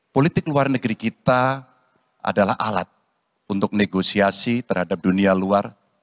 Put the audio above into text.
politik luar negeri kita adalah alat untuk negosiasi terhadap dunia luar